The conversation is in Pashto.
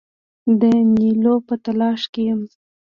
د نیولو په تلاښ کې یم.